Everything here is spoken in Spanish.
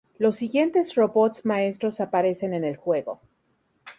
Los siguientes Robots Maestros aparecen en el juego.